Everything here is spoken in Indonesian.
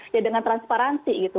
ya dengan transparansi gitu